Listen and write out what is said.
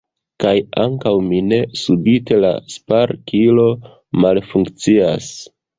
Kaj ankaŭ mi ne, subite la sparkilo malfunkcias.